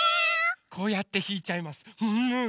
こうやってひいちゃいます。